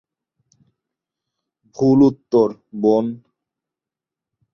ভুল উত্তর, বোন।